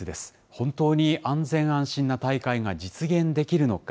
本当に安全安心な大会が実現できるのか。